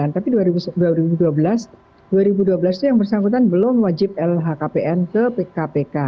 tapi dua ribu dua belas itu yang bersangkutan belum wajib lhkpn ke kpk